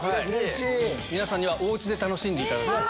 皆さんにはお家で楽しんでいただこうと。